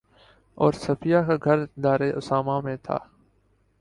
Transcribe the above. اور صفیہ کا گھر دارِ اسامہ میں تھا